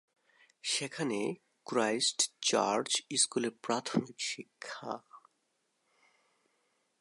সেখানে Christ Church স্কুলে প্রাথমিক শিক্ষা।